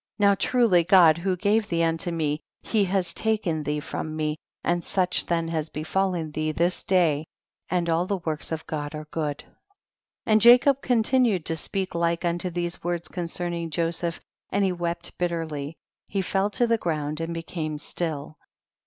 Now truly God who gave thee unto me, he has taken thee from me, and such then has befallen thee this day, and all the works of God are good. 30. And Jacob continued to speak like unto these words concerning Joseph, and he wept bitterly ; he fell to the ground and became still.